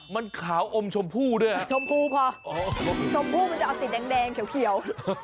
มันขาวอมชมพู่ด้วยชมพูพอชมพู่มันจะเอาสีแดงเขียว